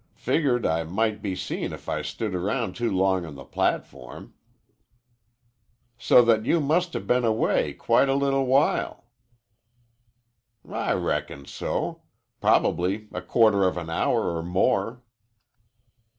Figured I might be seen if I stood around too long on the platform." "So that you must 'a' been away quite a little while." "I reckon so. Prob'ly a quarter of an hour or more."